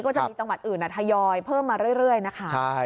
ก็จะมีจังหวัดอื่นทยอยเพิ่มมาเรื่อยนะคะ